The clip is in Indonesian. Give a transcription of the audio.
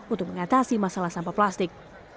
untuk mengatasi masalah sampah plastik